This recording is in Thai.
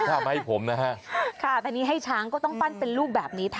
ถ้ามาให้ผมนะฮะค่ะตอนนี้ให้ช้างก็ต้องปั้นเป็นลูกแบบนี้ค่ะ